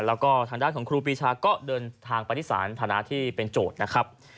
แล้วก็ทางด้านของครูปีชาก็เดินทางไปที่สารฐานะที่เป็นโจทย์นะครับ